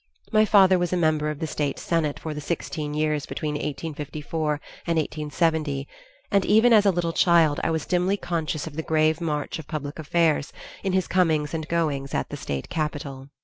My father was a member of the state senate for the sixteen years between 1854 and 1870, and even as a little child I was dimly conscious of the grave march of public affairs in his comings and goings at the state capital.